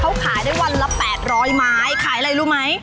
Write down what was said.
เขาขายได้วันละ๘๐๐ไม้ขายอะไรรู้ไหม